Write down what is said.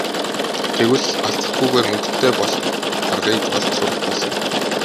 Тэгвэл алзахгүйгээр мөнгөтэй болох аргыг олж сурах болно.